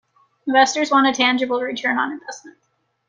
Investors want a tangible return on investment.